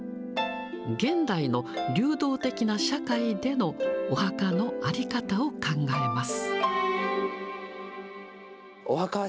現代の流動的な社会でのお墓の在り方を考えます。